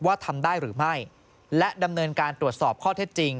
ทำได้หรือไม่และดำเนินการตรวจสอบข้อเท็จจริง